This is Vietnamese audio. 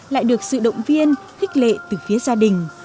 lại được sự động viên khích lệ từ phía gia đình